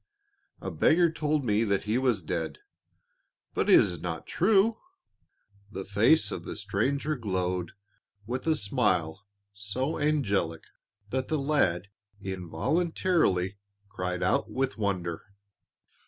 A beggar told me that he was dead, but it is not true?" The face of the stranger glowed with a smile so angelic that the lad involuntarily cried out with wonder.